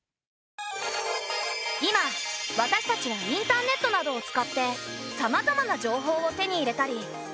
今私たちはインターネットなどを使ってさまざまな情報を手に入れたり発信したりしている。